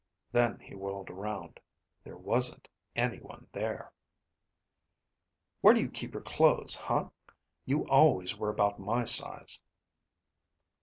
Then he whirled around. There wasn't anyone there. "Where do you keep your clothes, huh? You always were about my size."